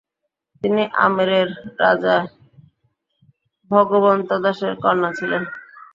তিনি আমেরের রাজা ভগবন্ত দাসের কন্যা ছিলেন।